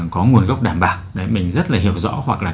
có nguồn gốc đảm bảo mình rất là hiểu rõ hoặc là